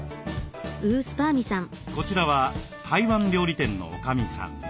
こちらは台湾料理店のおかみさん。